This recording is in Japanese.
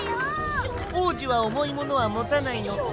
おうじはおもいものはもたないのさ。